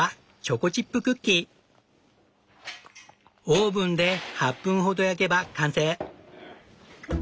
オーブンで８分ほど焼けば完成。